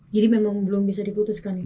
jadi memang belum bisa diputuskan ya